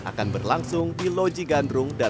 akan berlangsung di loji gandrung dan